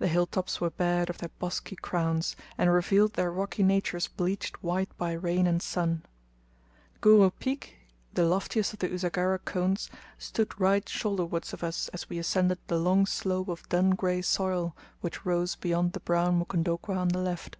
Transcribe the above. The hill tops were bared of their bosky crowns, and revealed their rocky natures bleached white by rain and sun. Nguru Peak, the loftiest of the Usagara cones, stood right shoulderwards of us as we ascended the long slope of dun grey soil which rose beyond the brown Mukondokwa on the left.